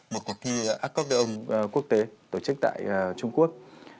một cuộc thi accordeon quốc tế tổ chức tại trung quốc